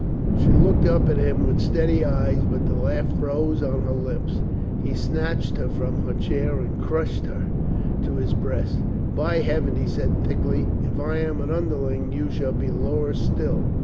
She looked up at him with steady eyes, but the laugh froze on her lips. He snatched her from her chair and crushed her to his breast. "By Heaven," he said thickly, "if I am an underling, you shall be lower still."